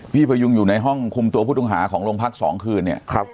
พยุงอยู่ในห้องคุมตัวผู้ต้องหาของโรงพัก๒คืนเนี่ย